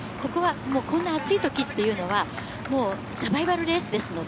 こんな暑いときっていうのはサバイバルレースです。